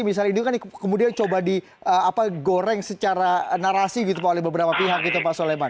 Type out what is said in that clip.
misalnya ini kan kemudian coba digoreng secara narasi gitu pak oleh beberapa pihak gitu pak soleman